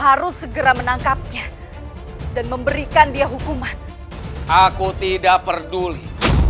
harus segera menangkapnya dan memberikan dia hukuman aku tidak peduli